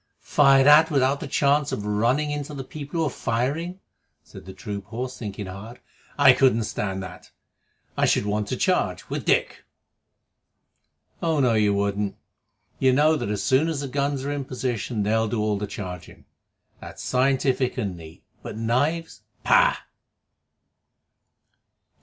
"Fired at without the chance of running into the people who are firing!" said the troop horse, thinking hard. "I couldn't stand that. I should want to charge with Dick." "Oh, no, you wouldn't. You know that as soon as the guns are in position they'll do all the charging. That's scientific and neat. But knives pah!"